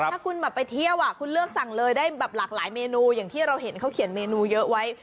ถ้าคุณแบบไปเที่ยวคุณเลือกสั่งเลยได้แบบหลากหลายเมนูอย่างที่เราเห็นเขาเขียนเมนูเยอะไว้